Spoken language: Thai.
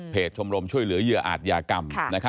ชมรมช่วยเหลือเหยื่ออาจยากรรม